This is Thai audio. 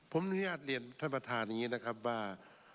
ผมอนุญาตเรียนท่านประธานอย่างนี้นะครับว่า